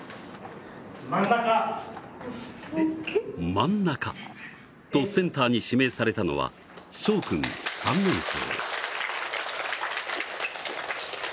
真ん中とセンターに指名されたのはしょう君、３年生。